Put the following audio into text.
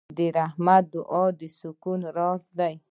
د رحمت دعا د سکون راز دی.